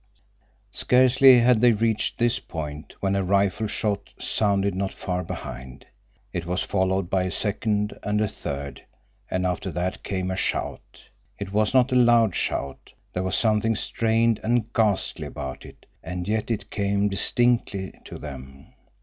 Scarcely had they reached this point when a rifle shot sounded not far behind. It was followed by a second and a third, and after that came a shout. It was not a loud shout. There was something strained and ghastly about it, and yet it came distinctly to them.